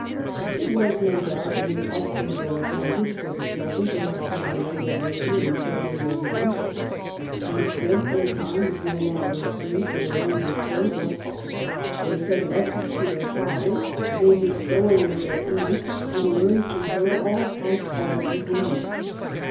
It was, no doubt, an estimable advantage for the children to have some related lady in au thority over them. Henceforth their time was no longer free for their own disposal. They said lessons to their father, they did sewing with their aunt, and learned from her all housewifely duties.